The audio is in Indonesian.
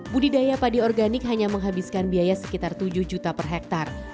budidaya padi organik hanya menghabiskan biaya sekitar tujuh juta per hektare